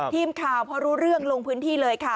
ทีมข่าวพอรู้เรื่องลงพื้นที่เลยค่ะ